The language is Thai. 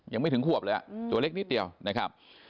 ยังไม่ถึงขวบเลยตัวเล็กนิดเดียวนะครับ